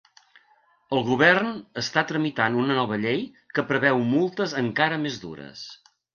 El govern està tramitant una nova llei que preveu multes encara més dures.